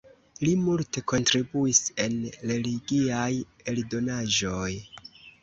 Li multe kontribuis en religiaj eldonaĵoj.